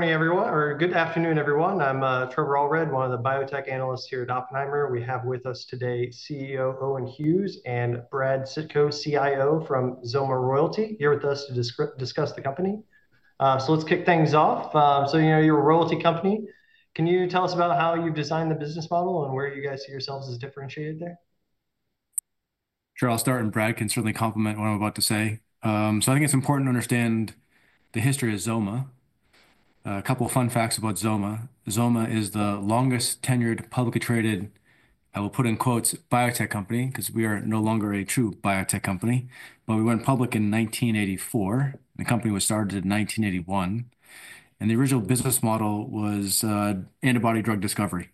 Morning, everyone, or good afternoon, everyone. I'm Trevor Allred, one of the biotech analysts here at Oppenheimer. We have with us today CEO Owen Hughes and Brad Sitko, CIO from XOMA Royalty, here with us to discuss the company. So let's kick things off. So you're a royalty company. Can you tell us about how you've designed the business model and where you guys see yourselves as differentiated there? Sure. I'll start, and Brad can certainly complement what I'm about to say, so I think it's important to understand the history of XOMA. A couple of fun facts about XOMA. XOMA is the longest tenured, publicly traded, I will put in quotes, "Biotech Company" because we are no longer a true biotech company. But we went public in 1984, and the company was started in 1981, and the original business model was antibody drug discovery.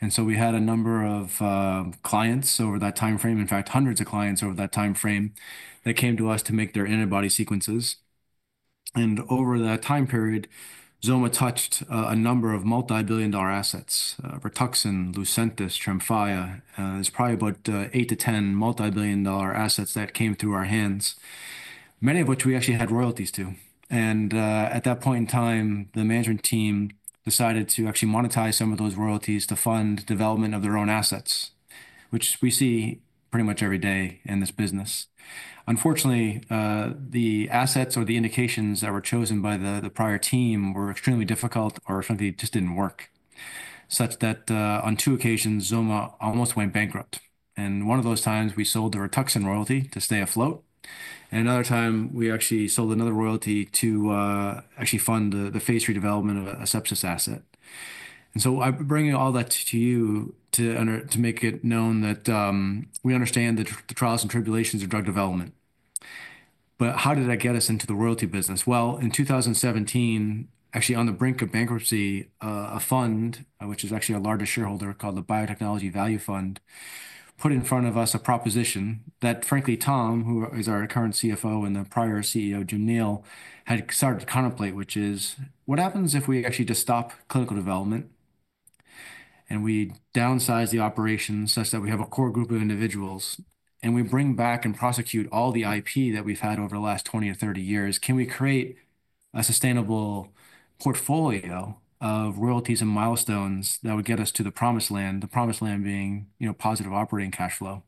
And so we had a number of clients over that time frame, in fact, hundreds of clients over that time frame that came to us to make their antibody sequences. And over that time period, XOMA touched a number of multibillion-dollar assets: Rituxan, Lucentis, Tremfya. There's probably about eight to 10 multibillion-dollar assets that came through our hands, many of which we actually had royalties to. And at that point in time, the management team decided to actually monetize some of those royalties to fund development of their own assets, which we see pretty much every day in this business. Unfortunately, the assets or the indications that were chosen by the prior team were extremely difficult or simply just didn't work, such that on two occasions, XOMA almost went bankrupt. And one of those times, we sold the Rituxan royalty to stay afloat. And another time, we actually sold another royalty to actually fund the phase III development of a sepsis asset. And so I'm bringing all that to you to make it known that we understand the trials and tribulations of drug development. But how did that get us into the royalty business? In 2017, actually on the brink of bankruptcy, a fund, which is actually our largest shareholder, called the Biotechnology Value Fund, put in front of us a proposition that, frankly, Tom, who is our current CFO and the prior CEO, Jim Neal, had started to contemplate, which is, what happens if we actually just stop clinical development and we downsize the operations such that we have a core group of individuals and we bring back and prosecute all the IP that we've had over the last 20 or 30 years? Can we create a sustainable portfolio of royalties and milestones that would get us to the promised land, the promised land being positive operating cash flow?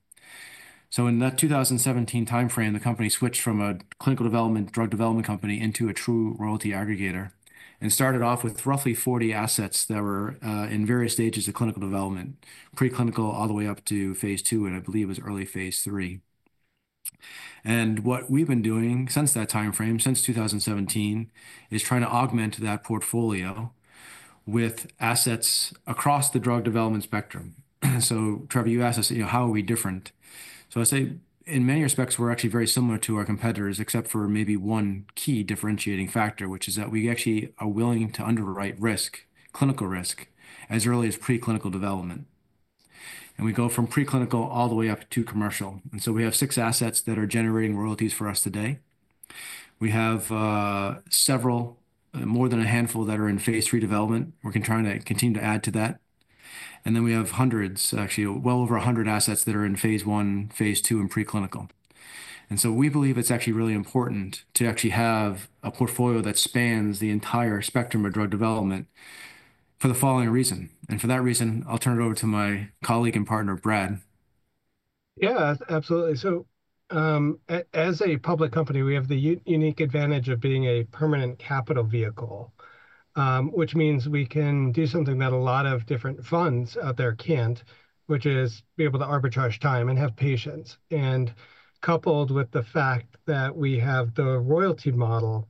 So in that 2017 time frame, the company switched from a clinical development drug development company into a true royalty aggregator and started off with roughly 40 assets that were in various stages of clinical development, preclinical all the way up to phase II, and I believe it was early phase III. And what we've been doing since that time frame, since 2017, is trying to augment that portfolio with assets across the drug development spectrum. So Trevor, you asked us, how are we different? So I say, in many respects, we're actually very similar to our competitors, except for maybe one key differentiating factor, which is that we actually are willing to underwrite risk, clinical risk, as early as preclinical development. And we go from preclinical all the way up to commercial. And so we have six assets that are generating royalties for us today. We have several, more than a handful, that are in phase III development. We're trying to continue to add to that. And then we have hundreds, actually well over 100 assets that are in phase I, phase II, and preclinical. And so we believe it's actually really important to actually have a portfolio that spans the entire spectrum of drug development for the following reason. And for that reason, I'll turn it over to my colleague and partner, Brad. Yeah, absolutely. So as a public company, we have the unique advantage of being a permanent capital vehicle, which means we can do something that a lot of different funds out there can't, which is be able to arbitrage time and have patience. And coupled with the fact that we have the royalty model,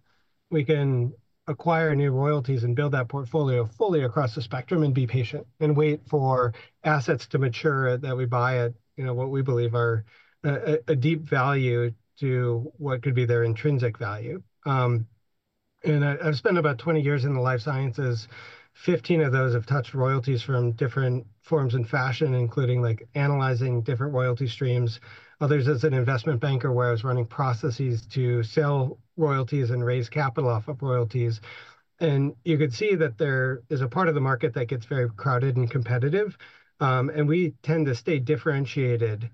we can acquire new royalties and build that portfolio fully across the spectrum and be patient and wait for assets to mature that we buy at what we believe are a deep value to what could be their intrinsic value. And I've spent about 20 years in the life sciences. 15 of those have touched royalties from different forms and fashion, including analyzing different royalty streams. Others, as an investment banker, where I was running processes to sell royalties and raise capital off of royalties. You could see that there is a part of the market that gets very crowded and competitive. And we tend to stay differentiated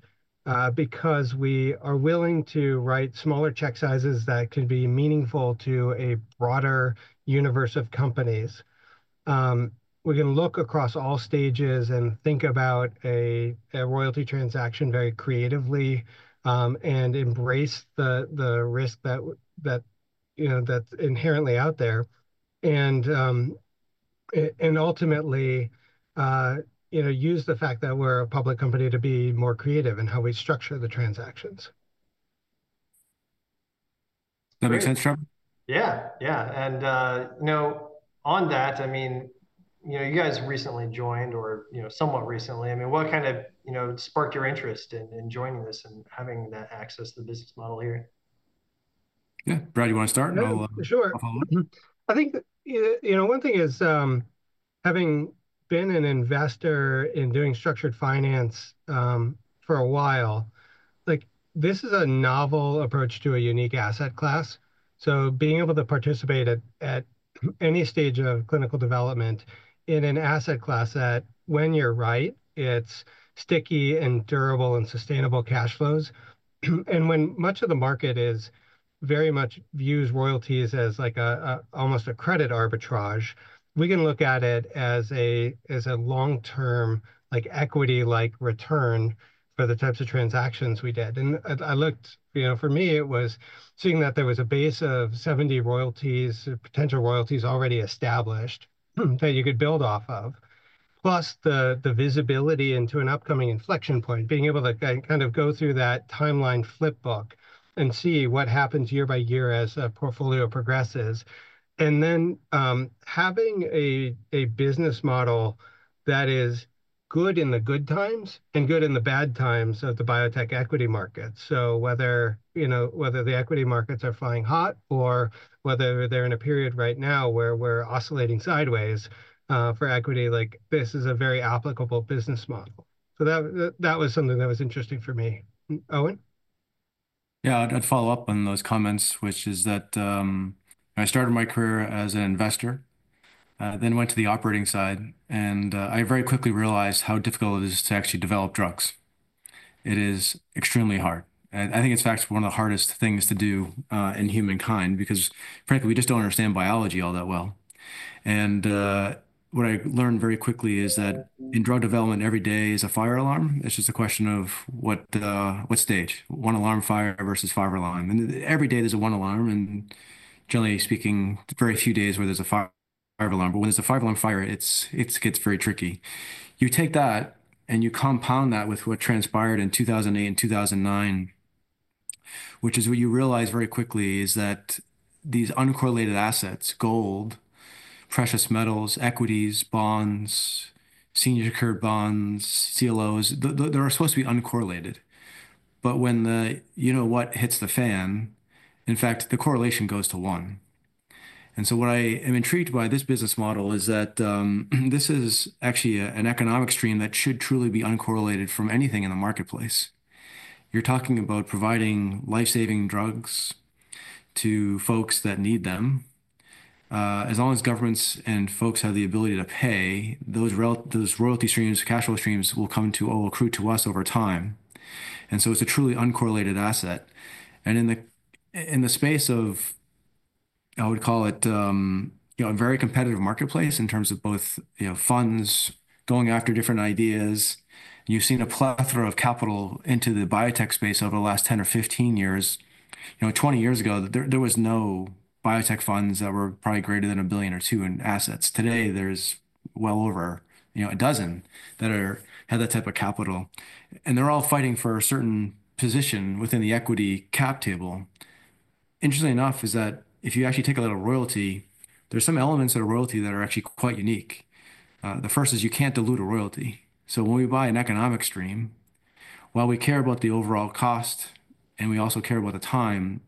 because we are willing to write smaller check sizes that can be meaningful to a broader universe of companies. We can look across all stages and think about a royalty transaction very creatively and embrace the risk that's inherently out there and ultimately use the fact that we're a public company to be more creative in how we structure the transactions. That makes sense, Trevor? Yeah, yeah. And on that, I mean, you guys recently joined or somewhat recently. I mean, what kind of sparked your interest in joining this and having that access to the business model here? Yeah. Brad, you want to start? Yeah, sure. I think one thing is, having been an investor in doing structured finance for a while, this is a novel approach to a unique asset class. So being able to participate at any stage of clinical development in an asset class that, when you're right, it's sticky and durable and sustainable cash flows. And when much of the market very much views royalties as almost a credit arbitrage, we can look at it as a long-term equity-like return for the types of transactions we did. And for me, it was seeing that there was a base of 70 royalties, potential royalties already established that you could build off of, plus the visibility into an upcoming inflection point, being able to kind of go through that timeline flip book and see what happens year by year as a portfolio progresses. And then having a business model that is good in the good times and good in the bad times of the biotech equity markets. So whether the equity markets are flying hot or whether they're in a period right now where we're oscillating sideways for equity, this is a very applicable business model. So that was something that was interesting for me. Owen? Yeah, I'd follow up on those comments, which is that I started my career as an investor, then went to the operating side. And I very quickly realized how difficult it is to actually develop drugs. It is extremely hard. I think it's in fact one of the hardest things to do in humankind because, frankly, we just don't understand biology all that well. And what I learned very quickly is that in drug development, every day is a fire alarm. It's just a question of what stage, one-alarm fire versus five-alarm fire. And every day there's a one-alarm fire. And generally speaking, very few days where there's a five-alarm fire. But when there's a five-alarm fire, it gets very tricky. You take that and you compound that with what transpired in 2008 and 2009, which is what you realize very quickly is that these uncorrelated assets, gold, precious metals, equities, bonds, senior secured bonds, CLOs, they're supposed to be uncorrelated. But when the you know what hits the fan, in fact, the correlation goes to one. And so what I am intrigued by this business model is that this is actually an economic stream that should truly be uncorrelated from anything in the marketplace. You're talking about providing lifesaving drugs to folks that need them. As long as governments and folks have the ability to pay, those royalty streams, cash flow streams will come to accrue to us over time. And so it's a truly uncorrelated asset. And in the space of, I would call it, a very competitive marketplace in terms of both funds going after different ideas, you've seen a plethora of capital into the biotech space over the last 10 or 15 years. 20 years ago, there was no biotech funds that were probably greater than a billion or two in assets. Today, there's well over a dozen that have that type of capital. And they're all fighting for a certain position within the equity cap table. Interesting enough is that if you actually take a lot of royalty, there's some elements of royalty that are actually quite unique. The first is you can't dilute a royalty. So when we buy an economic stream, while we care about the overall cost and we also care about the time,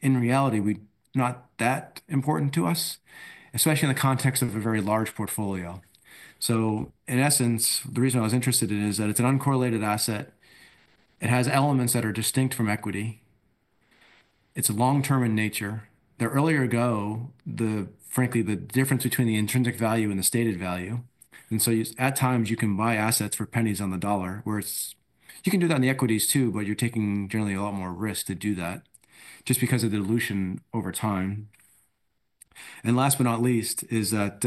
in reality, not that important to us, especially in the context of a very large portfolio. So in essence, the reason I was interested in it is that it's an uncorrelated asset. It has elements that are distinct from equity. It's long-term in nature. Earlier ago, frankly, the difference between the intrinsic value and the stated value. And so at times, you can buy assets for pennies on the dollar, whereas you can do that in the equities too, but you're taking generally a lot more risk to do that just because of dilution over time. And last but not least is that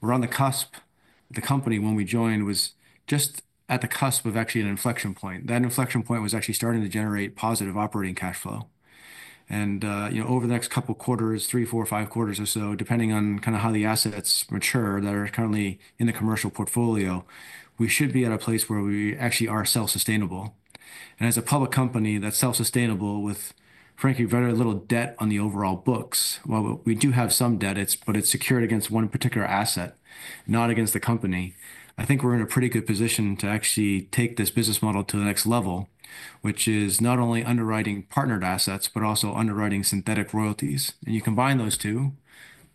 we're on the cusp. The company, when we joined, was just at the cusp of actually an inflection point. That inflection point was actually starting to generate positive operating cash flow. Over the next couple of quarters, three, four, five quarters or so, depending on kind of how the assets mature that are currently in the commercial portfolio, we should be at a place where we actually are self-sustainable. As a public company that's self-sustainable with, frankly, very little debt on the overall books, while we do have some debt, it's secured against one particular asset, not against the company, I think we're in a pretty good position to actually take this business model to the next level, which is not only underwriting partnered assets, but also underwriting synthetic royalties. You combine those two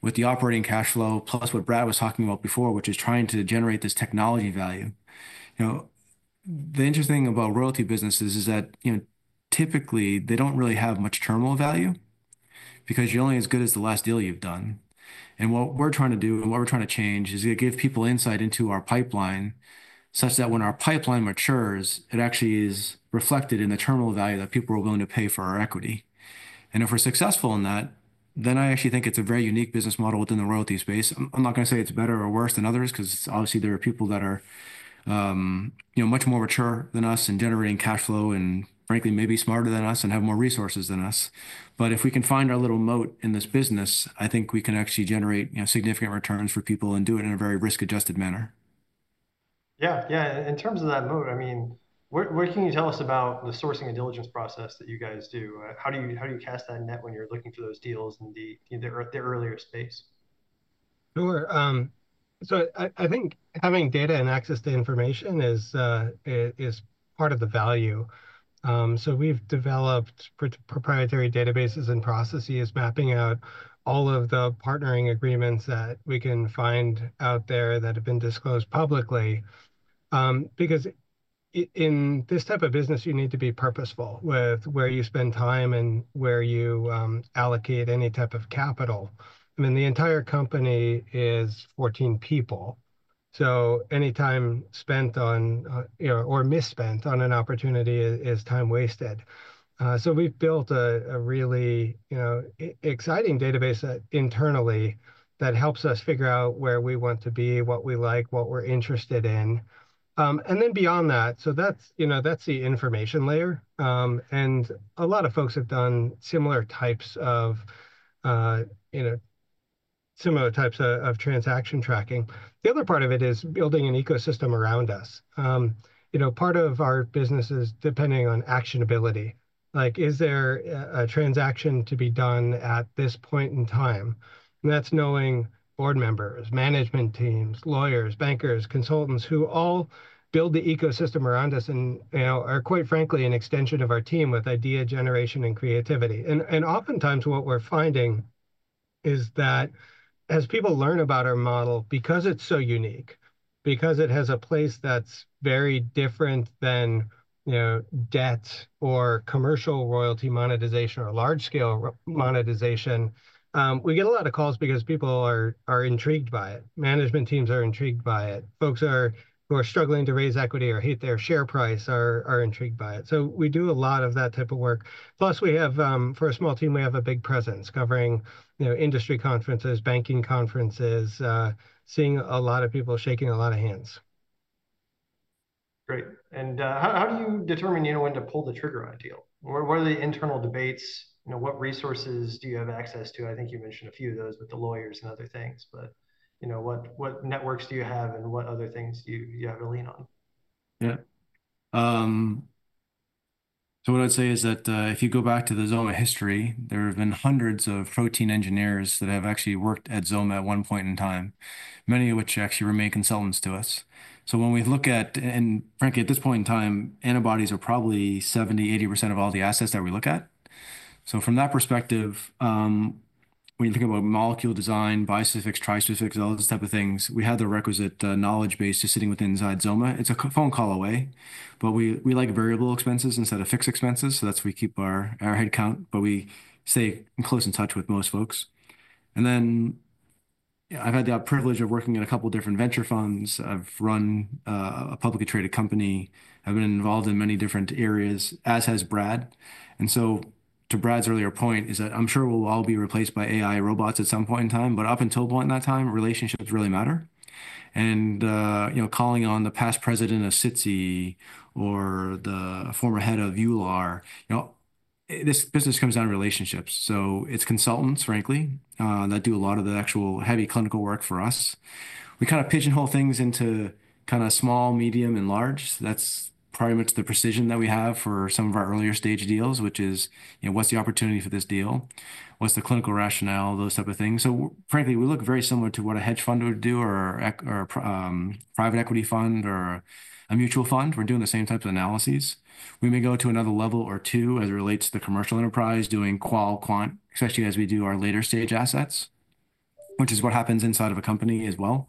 with the operating cash flow, plus what Brad was talking about before, which is trying to generate this technology value. The interesting thing about royalty businesses is that typically, they don't really have much terminal value because you're only as good as the last deal you've done. And what we're trying to do and what we're trying to change is to give people insight into our pipeline such that when our pipeline matures, it actually is reflected in the terminal value that people are willing to pay for our equity. And if we're successful in that, then I actually think it's a very unique business model within the royalty space. I'm not going to say it's better or worse than others because obviously, there are people that are much more mature than us in generating cash flow and, frankly, maybe smarter than us and have more resources than us. But if we can find our little moat in this business, I think we can actually generate significant returns for people and do it in a very risk-adjusted manner. Yeah, yeah. In terms of that moat, I mean, where can you tell us about the sourcing and diligence process that you guys do? How do you cast that net when you're looking for those deals in the earlier space? Sure. So I think having data and access to information is part of the value. So we've developed proprietary databases and processes, mapping out all of the partnering agreements that we can find out there that have been disclosed publicly. Because in this type of business, you need to be purposeful with where you spend time and where you allocate any type of capital. I mean, the entire company is 14 people. So any time spent on or misspent on an opportunity is time wasted. So we've built a really exciting database internally that helps us figure out where we want to be, what we like, what we're interested in. And then beyond that, so that's the information layer. And a lot of folks have done similar types of transaction tracking. The other part of it is building an ecosystem around us. Part of our business is depending on actionability. Is there a transaction to be done at this point in time? And that's knowing board members, management teams, lawyers, bankers, consultants who all build the ecosystem around us and are, quite frankly, an extension of our team with idea generation and creativity. And oftentimes, what we're finding is that as people learn about our model, because it's so unique, because it has a place that's very different than debt or commercial royalty monetization or large-scale monetization, we get a lot of calls because people are intrigued by it. Management teams are intrigued by it. Folks who are struggling to raise equity or hate their share price are intrigued by it. So we do a lot of that type of work. Plus, for a small team, we have a big presence covering industry conferences, banking conferences, seeing a lot of people shaking a lot of hands. Great. And how do you determine when to pull the trigger on a deal? What are the internal debates? What resources do you have access to? I think you mentioned a few of those with the lawyers and other things. But what networks do you have and what other things do you have to lean on? Yeah. So what I'd say is that if you go back to the XOMA history, there have been hundreds of protein engineers that have actually worked at XOMA at one point in time, many of which actually remain consultants to us. So when we look at, and frankly, at this point in time, antibodies are probably 70%-80% of all the assets that we look at. So from that perspective, when you think about molecule design, bispecific, trispecific, all those types of things, we have the requisite knowledge base just sitting within inside XOMA. It's a phone call away. But we like variable expenses instead of fixed expenses. So that's where we keep our headcount. But we stay close in touch with most folks. And then I've had the privilege of working at a couple of different venture funds. I've run a publicly traded company. I've been involved in many different areas, as has Brad. And so, to Brad's earlier point, is that I'm sure we'll all be replaced by AI robots at some point in time. But up until point in that time, relationships really matter. And calling on the past president of Citi or the former head of EULAR, this business comes down to relationships. So it's consultants, frankly, that do a lot of the actual heavy clinical work for us. We kind of pigeonhole things into kind of small, medium, and large. That's pretty much the precision that we have for some of our earlier stage deals, which is, what's the opportunity for this deal? What's the clinical rationale? Those types of things. So frankly, we look very similar to what a hedge fund would do or a private equity fund or a mutual fund. We're doing the same types of analyses. We may go to another level or two as it relates to the commercial enterprise doing qual, quant, especially as we do our later stage assets, which is what happens inside of a company as well.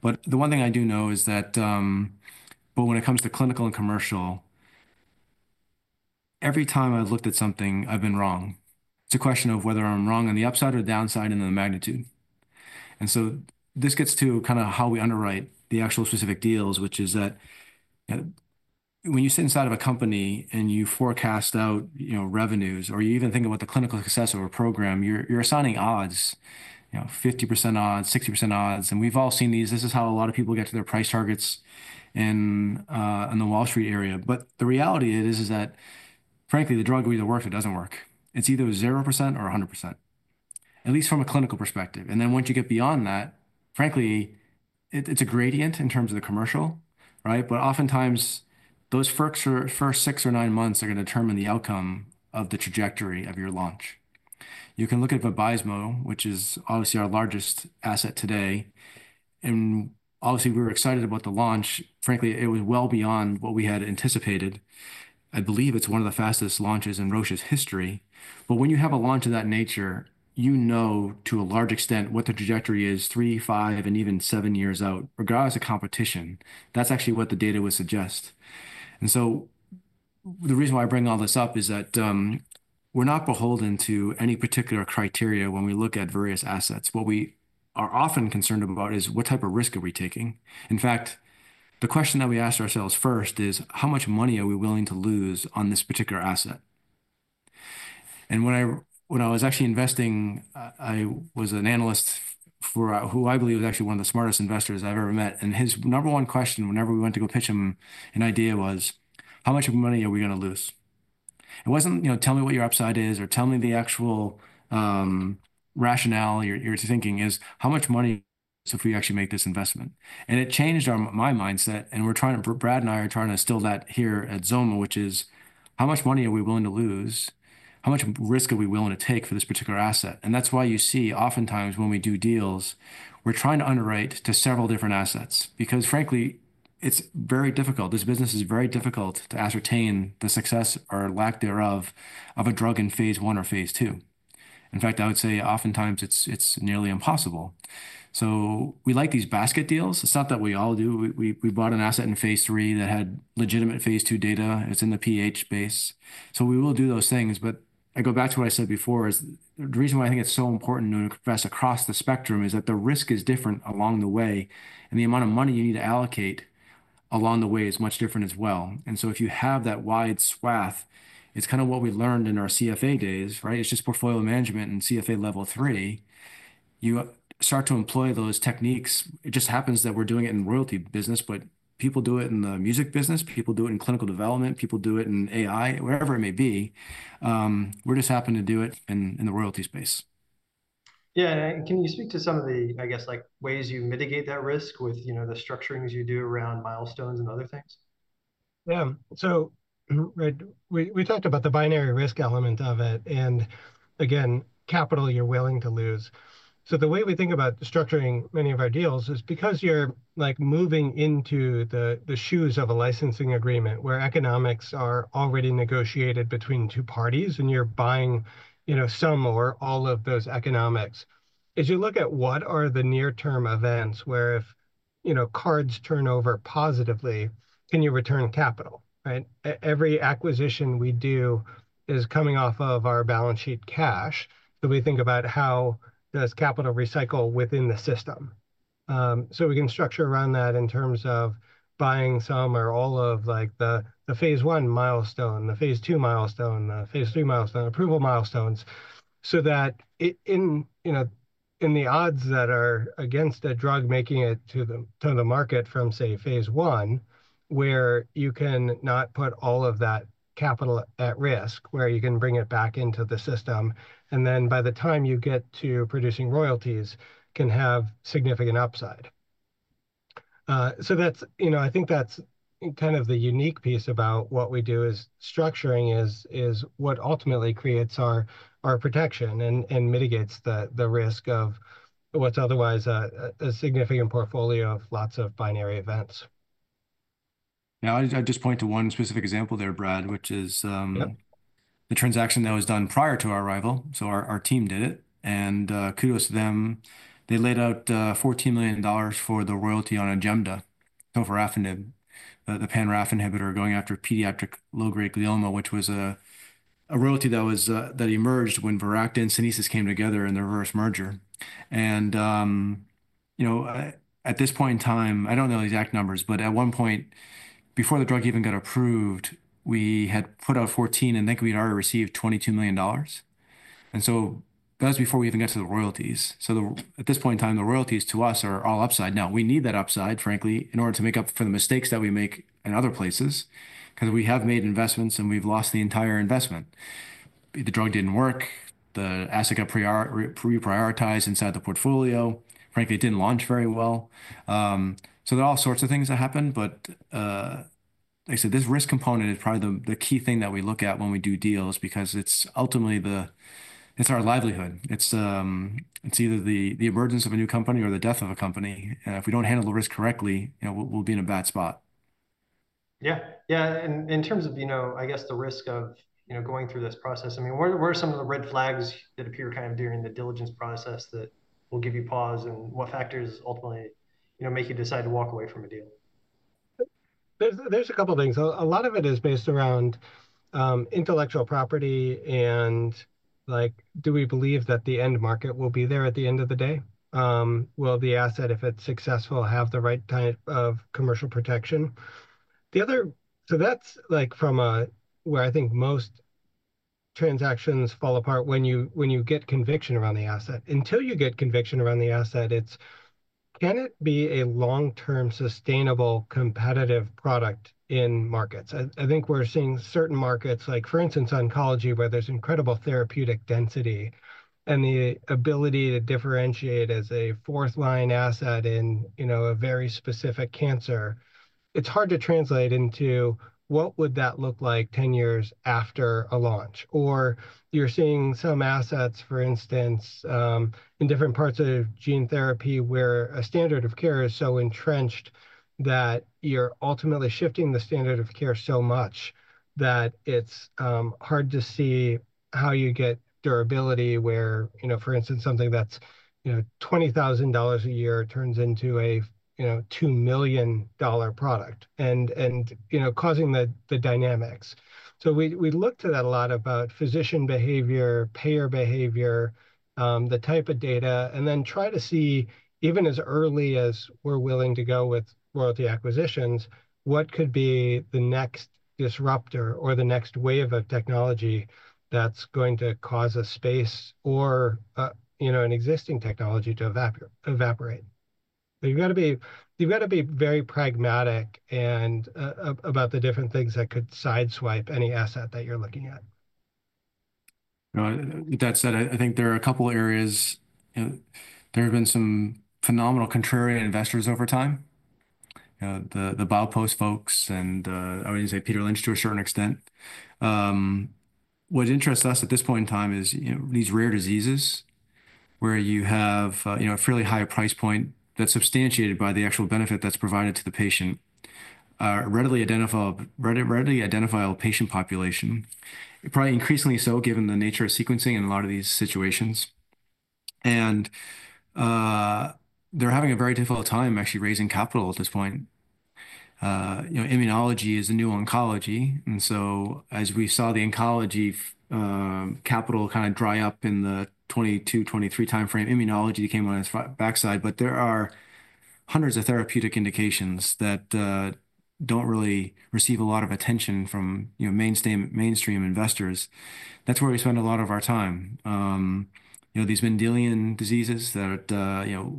But the one thing I do know is that when it comes to clinical and commercial, every time I've looked at something, I've been wrong. It's a question of whether I'm wrong on the upside or downside and the magnitude. And so this gets to kind of how we underwrite the actual specific deals, which is that when you sit inside of a company and you forecast out revenues or you even think about the clinical success of a program, you're assigning odds, 50% odds, 60% odds. And we've all seen these. This is how a lot of people get to their price targets in the Wall Street area. But the reality is that, frankly, the drug either works or doesn't work. It's either 0% or 100%, at least from a clinical perspective. And then once you get beyond that, frankly, it's a gradient in terms of the commercial, right? But oftentimes, those first six or nine months are going to determine the outcome of the trajectory of your launch. You can look at the Vabysmo, which is obviously our largest asset today. And obviously, we were excited about the launch. Frankly, it was well beyond what we had anticipated. I believe it's one of the fastest launches in Roche's history. But when you have a launch of that nature, you know to a large extent what the trajectory is three, five, and even seven years out, regardless of competition. That's actually what the data would suggest. And so the reason why I bring all this up is that we're not beholden to any particular criteria when we look at various assets. What we are often concerned about is what type of risk are we taking? In fact, the question that we asked ourselves first is, how much money are we willing to lose on this particular asset? And when I was actually investing, I was an analyst who I believe is actually one of the smartest investors I've ever met. And his number one question whenever we went to go pitch him an idea was, how much money are we going to lose? It wasn't, tell me what your upside is or tell me the actual rationale you're thinking is how much money if we actually make this investment. And it changed my mindset. And Brad and I are trying to instill that here at XOMA, which is how much money are we willing to lose? How much risk are we willing to take for this particular asset? And that's why you see oftentimes when we do deals, we're trying to underwrite to several different assets because, frankly, it's very difficult. This business is very difficult to ascertain the success or lack thereof of a drug in phase I or phase II. In fact, I would say oftentimes it's nearly impossible. So we like these basket deals. It's not that we all do. We bought an asset in phase III that had legitimate phase II data. It's in the PH base. So we will do those things. But I go back to what I said before is the reason why I think it's so important to invest across the spectrum is that the risk is different along the way. And the amount of money you need to allocate along the way is much different as well. And so if you have that wide swath, it's kind of what we learned in our CFA days, right? It's just portfolio management and CFA Level III. You start to employ those techniques. It just happens that we're doing it in the royalty business, but people do it in the music business. People do it in clinical development. People do it in AI, wherever it may be. We're just happening to do it in the royalty space. Yeah. And can you speak to some of the, I guess, ways you mitigate that risk with the structurings you do around milestones and other things? Yeah. So we talked about the binary risk element of it. And again, capital you're willing to lose. So the way we think about structuring many of our deals is because you're moving into the shoes of a licensing agreement where economics are already negotiated between two parties and you're buying some or all of those economics. As you look at what are the near-term events where if cards turn over positively, can you return capital? Every acquisition we do is coming off of our balance sheet cash. So we think about how does capital recycle within the system. We can structure around that in terms of buying some or all of the phase I milestone, the phase II milestone, the phase III milestone, approval milestones so that in the odds that are against a drug making it to the market from, say, phase I, where you can not put all of that capital at risk, where you can bring it back into the system. And then by the time you get to producing royalties, can have significant upside. I think that's kind of the unique piece about what we do is structuring what ultimately creates our protection and mitigates the risk of what's otherwise a significant portfolio of lots of binary events. Now, I'd just point to one specific example there, Brad, which is the transaction that was done prior to our arrival, so our team did it, and kudos to them. They laid out $14 million for the royalty on OJEMDA, the pan-RAF inhibitor going after pediatric low-grade glioma, which was a royalty that emerged when Viracta and Sunesis came together in the reverse merger, and at this point in time, I don't know the exact numbers, but at one point, before the drug even got approved, we had put out $14 million and then we'd already received $22 million, and so that was before we even got to the royalties, so at this point in time, the royalties to us are all upside. Now, we need that upside, frankly, in order to make up for the mistakes that we make in other places because we have made investments and we've lost the entire investment. The drug didn't work. The asset got reprioritized inside the portfolio. Frankly, it didn't launch very well. So there are all sorts of things that happen. But like I said, this risk component is probably the key thing that we look at when we do deals because it's ultimately our livelihood. It's either the emergence of a new company or the death of a company. And if we don't handle the risk correctly, we'll be in a bad spot. Yeah. Yeah. And in terms of, I guess, the risk of going through this process, I mean, what are some of the red flags that appear kind of during the diligence process that will give you pause and what factors ultimately make you decide to walk away from a deal? There's a couple of things. A lot of it is based around intellectual property and do we believe that the end market will be there at the end of the day? Will the asset, if it's successful, have the right type of commercial protection? So that's from where I think most transactions fall apart, when you get conviction around the asset. Until you get conviction around the asset, it's, can it be a long-term sustainable competitive product in markets? I think we're seeing certain markets, like for instance, oncology, where there's incredible therapeutic density and the ability to differentiate as a fourth-line asset in a very specific cancer. It's hard to translate into what would that look like 10 years after a launch. Or you're seeing some assets, for instance, in different parts of gene therapy where a standard of care is so entrenched that you're ultimately shifting the standard of care so much that it's hard to see how you get durability where, for instance, something that's $20,000 a year turns into a $2 million product and causing the dynamics. So we look to that a lot about physician behavior, payer behavior, the type of data, and then try to see even as early as we're willing to go with royalty acquisitions, what could be the next disruptor or the next wave of technology that's going to cause a space or an existing technology to evaporate. So you've got to be very pragmatic about the different things that could sideswipe any asset that you're looking at. That said, I think there are a couple of areas. There have been some phenomenal contrarian investors over time, the Baupost folks, and I would even say Peter Lynch to a certain extent. What interests us at this point in time is these rare diseases where you have a fairly high price point that's substantiated by the actual benefit that's provided to the patient, a readily identifiable patient population, probably increasingly so given the nature of sequencing in a lot of these situations, and they're having a very difficult time actually raising capital at this point. Immunology is a new oncology, and so as we saw the oncology capital kind of dry up in the 2022, 2023 timeframe, immunology came on its backside, but there are hundreds of therapeutic indications that don't really receive a lot of attention from mainstream investors. That's where we spend a lot of our time. These Mendelian diseases that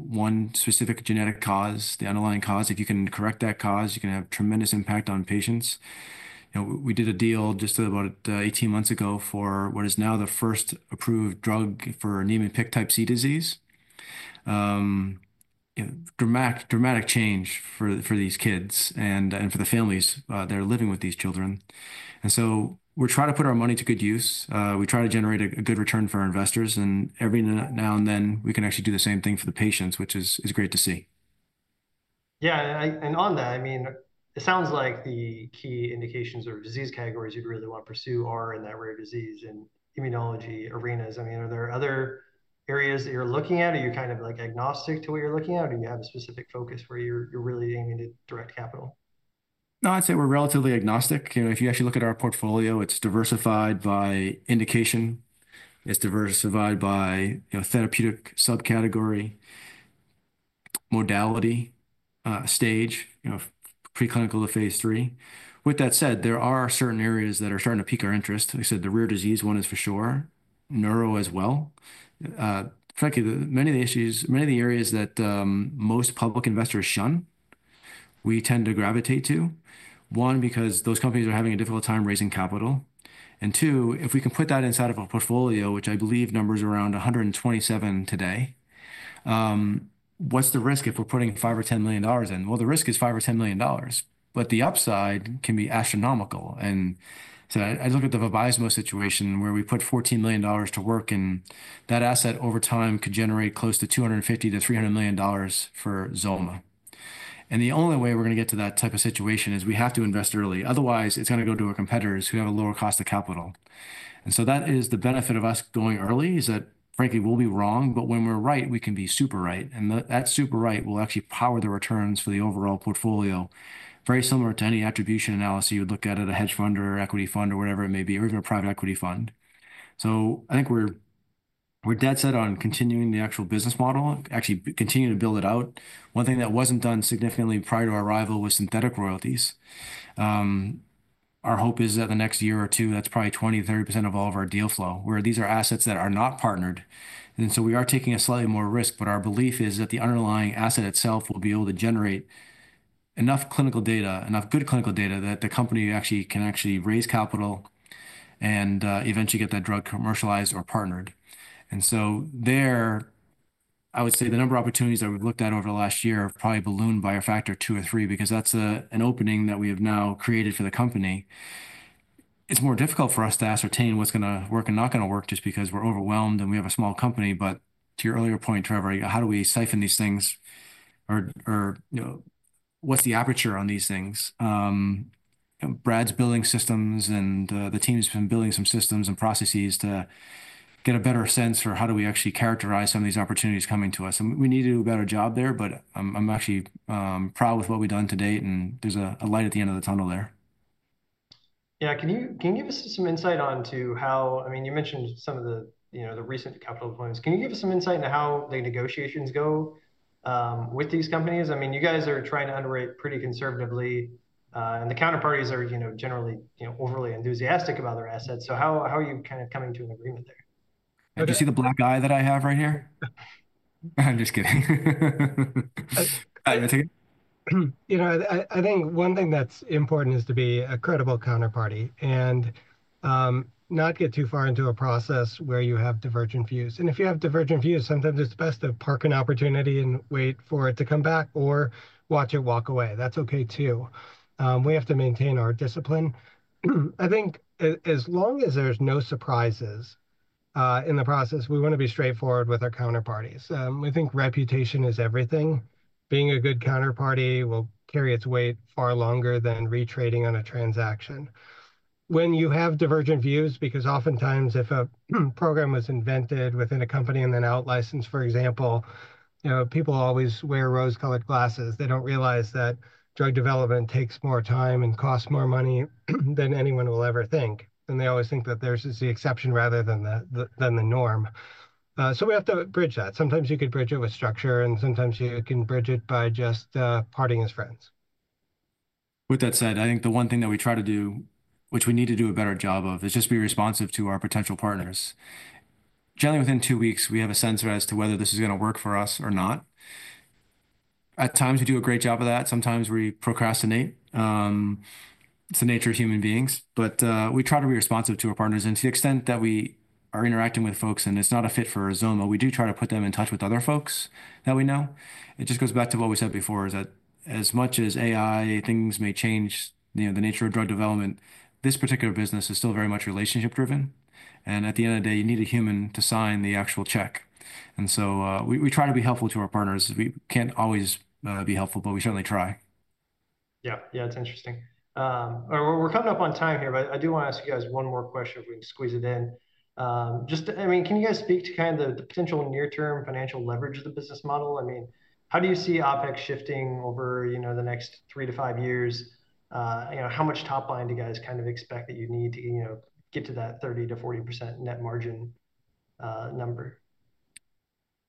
one specific genetic cause, the underlying cause, if you can correct that cause, you can have tremendous impact on patients. We did a deal just about 18 months ago for what is now the first approved drug for Niemann-Pick Type C disease. Dramatic change for these kids and for the families that are living with these children. And so we're trying to put our money to good use. We try to generate a good return for our investors. And every now and then, we can actually do the same thing for the patients, which is great to see. Yeah, and on that, I mean, it sounds like the key indications or disease categories you'd really want to pursue are in that rare disease and immunology arenas. I mean, are there other areas that you're looking at? Are you kind of agnostic to what you're looking at? Or do you have a specific focus where you're really aiming to direct capital? No, I'd say we're relatively agnostic. If you actually look at our portfolio, it's diversified by indication. It's diversified by therapeutic subcategory, modality, stage, preclinical to phase III. With that said, there are certain areas that are starting to pique our interest. Like I said, the rare disease one is for sure, neuro as well. Frankly, many of the issues, many of the areas that most public investors shun, we tend to gravitate to. One, because those companies are having a difficult time raising capital. And two, if we can put that inside of a portfolio, which I believe numbers are around 127 today, what's the risk if we're putting $5 million or $10 million in? Well, the risk is $5 million or $10 million, but the upside can be astronomical. And so I look at the Vabysmo situation where we put $14 million to work, and that asset over time could generate close to $250 million-$300 million for XOMA. And the only way we're going to get to that type of situation is we have to invest early. Otherwise, it's going to go to our competitors who have a lower cost of capital. And so that is the benefit of us going early is that, frankly, we'll be wrong, but when we're right, we can be super right. And that super right will actually power the returns for the overall portfolio, very similar to any attribution analysis you would look at at a hedge fund or equity fund or whatever it may be, or even a private equity fund. So I think we're dead set on continuing the actual business model, actually continuing to build it out. One thing that wasn't done significantly prior to our arrival was synthetic royalties. Our hope is that the next year or two, that's probably 20%-30% of all of our deal flow, where these are assets that are not partnered. And so we are taking a slightly more risk, but our belief is that the underlying asset itself will be able to generate enough clinical data, enough good clinical data that the company actually can raise capital and eventually get that drug commercialized or partnered. And so there, I would say the number of opportunities that we've looked at over the last year have probably ballooned by a factor of two or three because that's an opening that we have now created for the company. It's more difficult for us to ascertain what's going to work and not going to work just because we're overwhelmed and we have a small company, but to your earlier point, Trevor, how do we siphon these things or what's the aperture on these things? Brad's building systems and the team has been building some systems and processes to get a better sense for how do we actually characterize some of these opportunities coming to us, and we need to do a better job there, but I'm actually proud with what we've done to date, and there's a light at the end of the tunnel there. Yeah. Can you give us some insight into how? I mean, you mentioned some of the recent capital deployments. Can you give us some insight into how the negotiations go with these companies? I mean, you guys are trying to underwrite pretty conservatively, and the counterparties are generally overly enthusiastic about their assets. So how are you kind of coming to an agreement there? Do you see the black eye that I have right here? I'm just kidding. I think one thing that's important is to be a credible counterparty and not get too far into a process where you have divergent views. And if you have divergent views, sometimes it's best to park an opportunity and wait for it to come back or watch it walk away. That's okay too. We have to maintain our discipline. I think as long as there's no surprises in the process, we want to be straightforward with our counterparties. We think reputation is everything. Being a good counterparty will carry its weight far longer than retrading on a transaction. When you have divergent views, because oftentimes if a program was invented within a company and then outlicensed, for example, people always wear rose-colored glasses. They don't realize that drug development takes more time and costs more money than anyone will ever think. They always think that there's the exception rather than the norm. We have to bridge that. Sometimes you could bridge it with structure, and sometimes you can bridge it by just partying as friends. With that said, I think the one thing that we try to do, which we need to do a better job of, is just be responsive to our potential partners. Generally, within two weeks, we have a sense as to whether this is going to work for us or not. At times, we do a great job of that. Sometimes we procrastinate. It's the nature of human beings, but we try to be responsive to our partners, and to the extent that we are interacting with folks and it's not a fit for XOMA, we do try to put them in touch with other folks that we know. It just goes back to what we said before is that as much as AI, things may change, the nature of drug development, this particular business is still very much relationship-driven. And at the end of the day, you need a human to sign the actual check. And so we try to be helpful to our partners. We can't always be helpful, but we certainly try. Yeah. Yeah, it's interesting. We're coming up on time here, but I do want to ask you guys one more question if we can squeeze it in. I mean, can you guys speak to kind of the potential near-term financial leverage of the business model? I mean, how do you see OpEx shifting over the next three to five years? How much top line do you guys kind of expect that you need to get to that 30%-40% net margin number?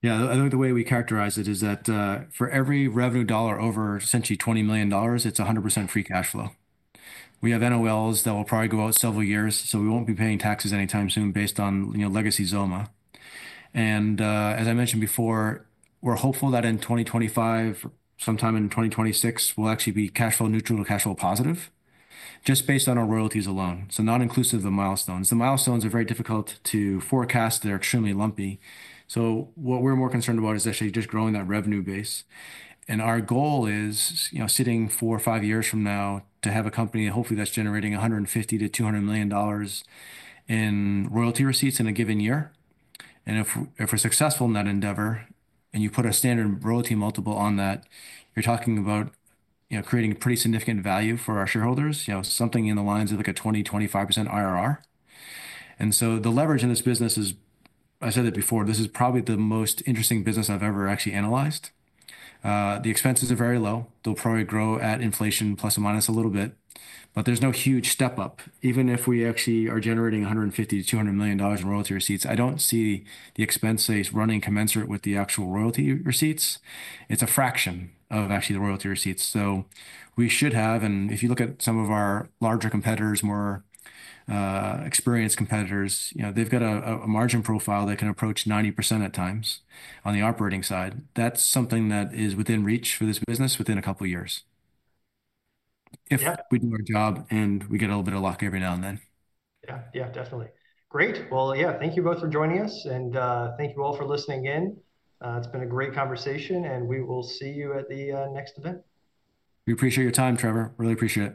Yeah. I think the way we characterize it is that for every revenue dollar over essentially $20 million, it's 100% free cash flow. We have NOLs that will probably go out several years, so we won't be paying taxes anytime soon based on legacy XOMA, and as I mentioned before, we're hopeful that in 2025, sometime in 2026, we'll actually be cash flow neutral to cash flow positive just based on our royalties alone, so not inclusive of the milestones. The milestones are very difficult to forecast. They're extremely lumpy, so what we're more concerned about is actually just growing that revenue base, and our goal is sitting four or five years from now to have a company, hopefully, that's generating $150 million-$200 million in royalty receipts in a given year. If we're successful in that endeavor and you put a standard royalty multiple on that, you're talking about creating pretty significant value for our shareholders, something along the lines of like a 20%-25% IRR. So the leverage in this business is, I said it before, this is probably the most interesting business I've ever actually analyzed. The expenses are very low. They'll probably grow at inflation plus or minus a little bit, but there's no huge step up. Even if we actually are generating $150 million-$200 million in royalty receipts, I don't see the expense base running commensurate with the actual royalty receipts. It's a fraction of actually the royalty receipts. So we should have, and if you look at some of our larger competitors, more experienced competitors, they've got a margin profile that can approach 90% at times on the operating side. That's something that is within reach for this business within a couple of years if we do our job and we get a little bit of luck every now and then. Yeah. Yeah, definitely. Great. Well, yeah, thank you both for joining us, and thank you all for listening in. It's been a great conversation, and we will see you at the next event. We appreciate your time, Trevor. Really appreciate it.